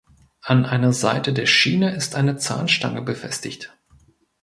An einer Seite der Schiene ist eine Zahnstange befestigt.